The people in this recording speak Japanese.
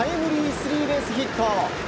スリーベースヒット！